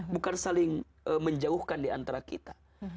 bukan saling menjauhkan diantara kita